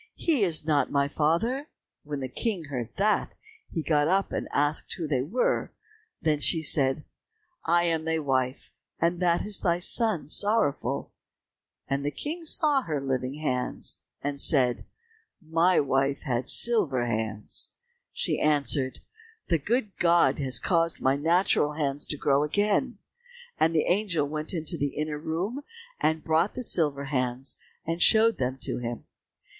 He is not my father." When the King heard that, he got up, and asked who they were. Then said she, "I am thy wife, and that is thy son, Sorrowful." And he saw her living hands, and said, "My wife had silver hands." She answered, "The good God has caused my natural hands to grow again;" and the angel went into the inner room, and brought the silver hands, and showed them to him.